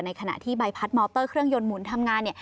ขณะที่ใบพัดมอเตอร์เครื่องยนต์หมุนทำงานเนี่ย